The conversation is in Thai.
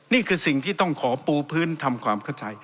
นี่คือสิ่งที่ต้องขอปูพื้นทำความเข้าใจ